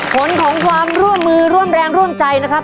ผลของความร่วมมือร่วมแรงร่วมใจนะครับ